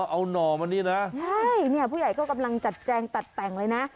เอาหน่อมานี่นะใช่เนี่ยผู้ใหญ่ก็กำลังจัดแจงตัดแต่งเลยนะ